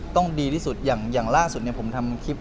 ต้องดีที่สุดอย่างล่าสุดผมทำคลิป